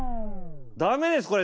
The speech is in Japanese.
ダメですこれ。